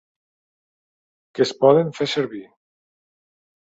Que es poden fer servir.